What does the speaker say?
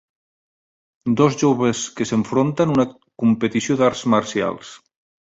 Dos joves que s'enfronten una competició d'arts marcials.